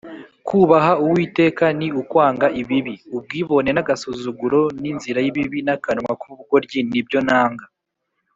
“kubaha uwiteka ni ukwanga ibibi; ubwibone n’agasuzuguro n’inzira y’ibibi n’akanwa k’ubugoryi ni byo nanga